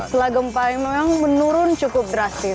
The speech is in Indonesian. setelah gempa yang memang menurun cukup drastis